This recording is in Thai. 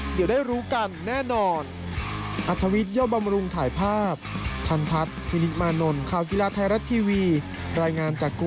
เดี๋ยวได้รู้กันแน่นอน